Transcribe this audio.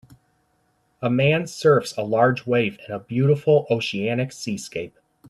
A man surfs a large wave in a beautiful oceanic seascape.